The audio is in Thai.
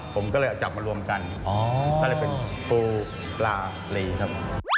ผมก็เลยเอาจับมารวมกันก็เลยเป็นปูปลาลีครับ